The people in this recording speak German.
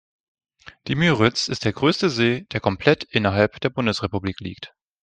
Die Müritz ist der größte See, der komplett innerhalb der Bundesrepublik liegt.